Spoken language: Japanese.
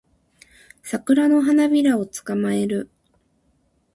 サクラの花びらを捕まえる